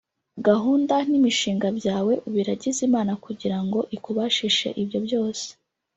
gahunda n'imishinga byawe ubiragize Imana kugirango ikubashishe ibyo byose